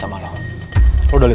dan mikir kayaknya